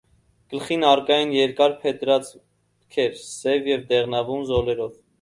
Գլխին առկա են երկար փետրածփքեր՝ սև և դեղնավուն զոլերով։